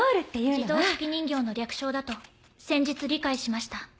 自動手記人形の略称だと先日理解しました。